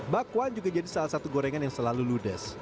bakwan juga jadi salah satu gorengan yang selalu ludes